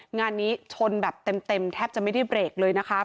งานนี้ชนแบบเต็มแทบจะไม่ได้เบรกเลยนะคะ